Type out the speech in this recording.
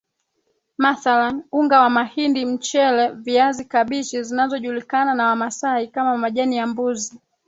mathalani unga wa mahindi mchele viazi kabichi zinazojulikana na Wamasai kama majani ya mbuzi